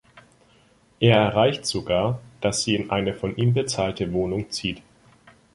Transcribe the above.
Er erreicht sogar, dass sie in eine von ihm bezahlte Wohnung zieht.